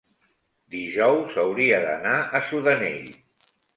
dijous hauria d'anar a Sudanell.